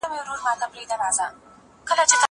زه به سبا مځکي ته وګورم!